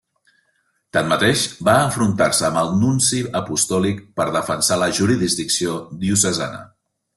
Tanmateix, va enfrontar-se amb el Nunci Apostòlic per defensar la jurisdicció diocesana.